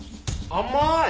甘い！